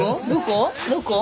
どこ？